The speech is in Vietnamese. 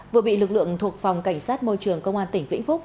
vừa bị lực lượng thuộc phòng cảnh sát môi trường công an tỉnh vĩnh phúc